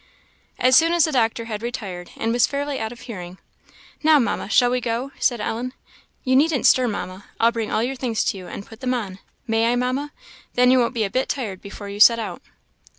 As soon as the doctor had retired, and was fairly out of hearing, "Now, Mamma, shall we go?" said Ellen. "You needn't stir, Mamma; I'll bring all your things to you, and put them on may I, Mamma? then you won't be a bit tired before you set out."